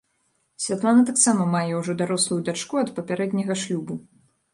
Святлана таксама мае ўжо дарослую дачку ад папярэдняга шлюбу.